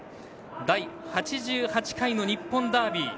第８８回の日本ダービー。